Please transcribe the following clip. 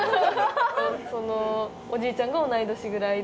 おじいちゃんが同い年ぐらいで。